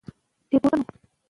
ایا دا پروژه دوامداره ده؟